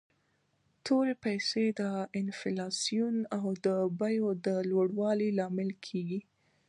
تورې پیسي د انفلاسیون او د بیو د لوړوالي لامل کیږي.